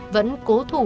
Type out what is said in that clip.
vẫn cố thủ